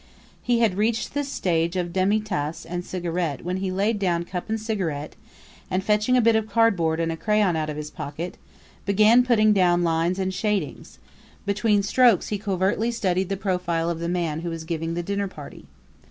He had reached the stage of demitasse and cigarette when he laid down cup and cigarette and, fetching a bit of cardboard and a crayon out of his pocket, began putting down lines and shadings; between strokes he covertly studied the profile of the man who was giving the dinner party.